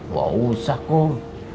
gak usah kang